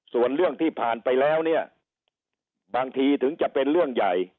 ส่วนเรื่องที่ผ่านไปแล้วเนี่ยบางทีถึงจะเป็นเรื่องใหญ่